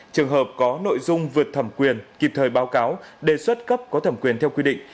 trường hợp có nội dung vượt thẩm quyền kịp thời báo cáo đề xuất cấp có thẩm quyền theo quy định